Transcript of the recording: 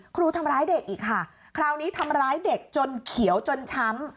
ครูทำร้ายเด็กอีกค่ะคราวนี้ทำร้ายเด็กจนเขียวจนช้ำ